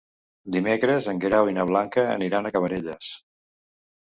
Dimecres en Guerau i na Blanca aniran a Cabanelles.